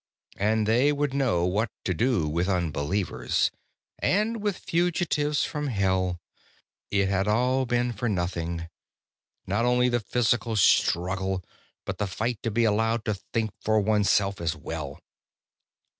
And they would know what to do with unbelievers, and with fugitives from Hell. It had all been for nothing not only the physical struggle, but the fight to be allowed to think for oneself as well.